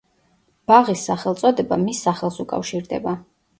ბაღის სახელწოდება მის სახელს უკავშირდება.